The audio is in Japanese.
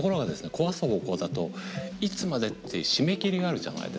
壊す方向だといつまでっていう締め切りがあるじゃないですか。